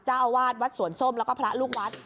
เจ้าอาวาสวัดสวนส้มแล้วก็พระลูกวัด